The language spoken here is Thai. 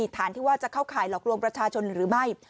ฐานที่ว่าจะเข้าข่ายหลอกลวงประชาชนหรือไม่